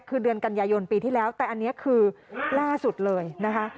คือเดือนกันยายนปีที่แล้วแต่อันนี้คือล่าสุดเลยนะคะ